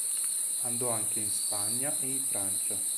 Andò anche in Spagna e in Francia.